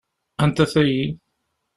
Anta tagi?